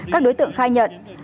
các đối tượng khai nhận